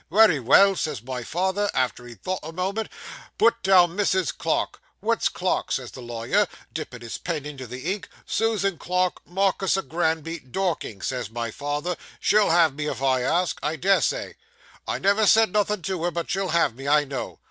"Wery well," says my father, after he'd thought a moment, "put down Mrs. Clarke." "What Clarke?" says the lawyer, dipping his pen in the ink. "Susan Clarke, Markis o' Granby, Dorking," says my father; "she'll have me, if I ask. I des say I never said nothing to her, but she'll have me, I know."